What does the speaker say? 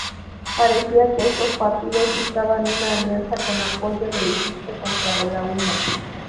Parecía que estos partidos buscaban una alianza con apoyo de Egipto contra la Umma.